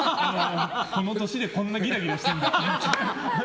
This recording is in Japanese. この年でこんなにギラギラしてるの嫌だな。